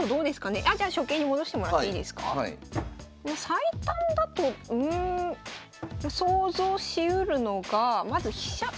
最短だとうん想像しうるのがまず飛車。